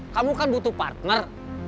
kamu kan butuh partner